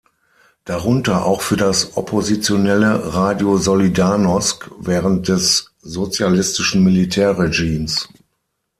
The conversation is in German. Darunter auch für das oppositionelle "Radio Solidarność" während des sozialistischen Militärregimes.